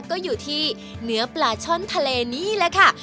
ก็อยู่ที่เนื้อปลาช่อนทะเลนี่แหละค่ะ